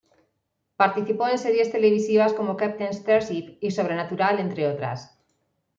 Participó en series televisivas como: "Captain Starship" y "Sobrenatural" entre otras.